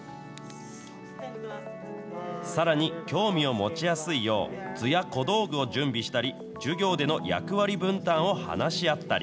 さらに興味を持ちやすいよう、図や小道具を準備したり、授業での役割分担を話し合ったり。